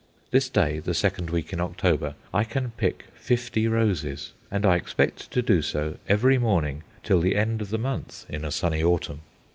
This day, the second week in October, I can pick fifty roses; and I expect to do so every morning till the end of the month in a sunny autumn.